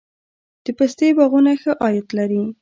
د پستې باغونه ښه عاید لري؟